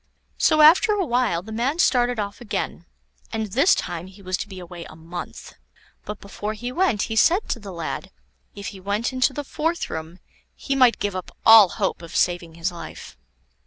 So after a while the man started off again, and this time he was to be away a month. But before he went, he said to the lad, if he went into the fourth room he might give up all hope of saving his life.